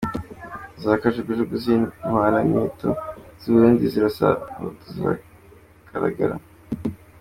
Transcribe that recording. Za kajugujugu z’intwaramiheto z’I Burundi zirasa abahutu zaragaragaraga.